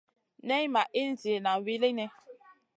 Nay ma ihn ziyna wulini.